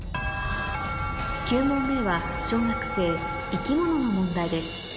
９問目は小学生生き物の問題です